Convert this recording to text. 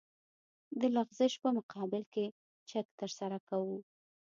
د لغزش په مقابل کې چک ترسره کوو